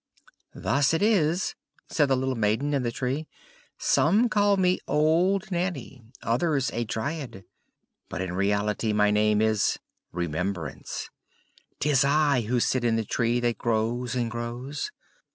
"Thus it is," said the little maiden in the tree, "some call me 'Old Nanny,' others a 'Dryad,' but, in reality, my name is 'Remembrance'; 'tis I who sit in the tree that grows and grows!